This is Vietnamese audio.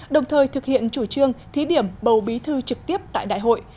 đồng thời thực hiện chủ trương thí điểm bầu bí thư trực tiếp tại đại hội